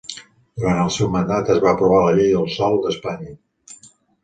Durant el seu mandat es va aprovar la Llei del Sòl d'Espanya.